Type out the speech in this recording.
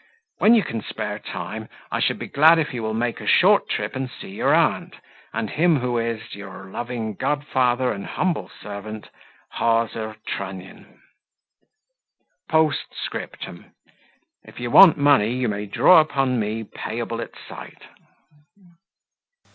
When you can spare time, I should be glad if you will make a short trip and see your aunt, and him who is Your loving godfather and humble servant, "Hawser Trunnion. P.S. If you want money, you may draw upon me payable at sight."